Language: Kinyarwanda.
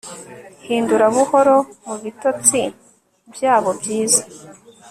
Hindura buhoro mubitotsi byabo byiza